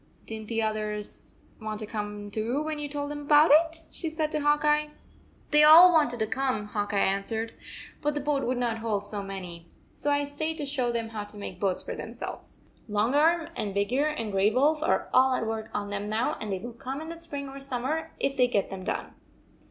Did n t the others want to come too when you told them about it?" she said to Hawk Eye. "They all wanted to come," Hawk Eye answered, "but the boat would not hold so many. So I stayed to show them how to make boats for themselves. Long Arm and Big Ear and Gray Wolf are all at work on them now, and they will come in the spring or summer if they get them done."